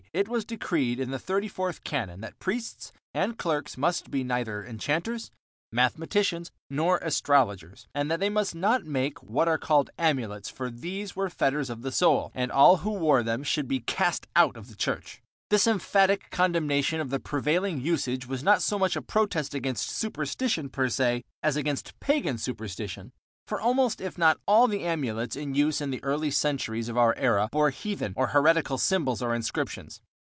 it was decreed, in the thirty fourth canon, that priests and clerks must be neither enchanters, mathematicians, nor astrologers, and that they must not make "what are called amulets," for these were fetters of the soul, and all who wore them should be cast out of the church. This emphatic condemnation of the prevailing usage was not so much a protest against superstition per se as against pagan superstition, for almost if not all the amulets in use in the early centuries of our era bore heathen or heretical symbols or inscriptions.